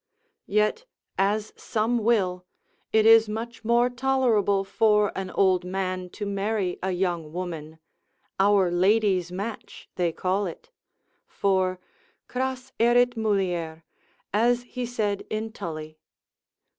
Yet, as some will, it is much more tolerable for an old man to marry a young woman (our ladies' match they call it) for cras erit mulier, as he said in Tully.